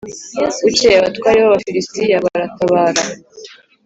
Bukeye abatware b’Abafilisitiya baratabara